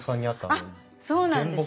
あっそうなんです。